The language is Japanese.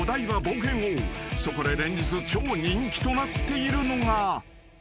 ［そこで連日超人気となっているのが］